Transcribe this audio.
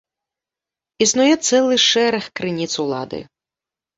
Існуе цэлы шэраг крыніц улады.